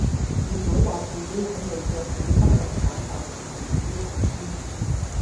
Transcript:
葉劉話自己喺美國冇不動產但有美股投資